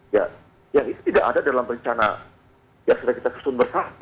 ya yang itu tidak ada dalam rencana yang sudah kita susun bersama